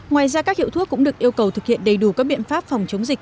ngoài ra các hiệu thuốc cũng được yêu cầu thực hiện đầy đủ các biện pháp phòng chống dịch